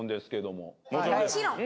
もちろん。